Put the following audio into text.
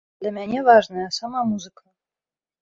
Для мяне важная сама музыка.